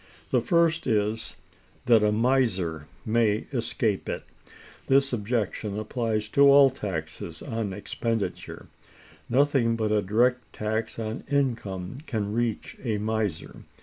The first is, that a miser may escape it. This objection applies to all taxes on expenditure; nothing but a direct tax on income can reach a miser.